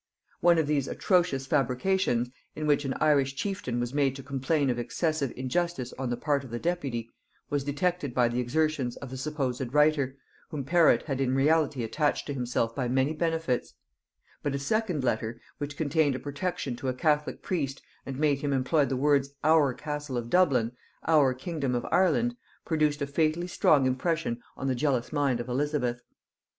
One of these atrocious fabrications, in which an Irish chieftain was made to complain of excessive injustice on the part of the deputy, was detected by the exertions of the supposed writer, whom Perrot had in reality attached to himself by many benefits; but a second letter, which contained a protection to a catholic priest and made him employ the words our castle of Dublin, our kingdom of Ireland, produced a fatally strong impression on the jealous mind of Elizabeth.